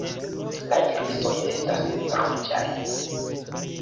La irisoj estas ruĝaj.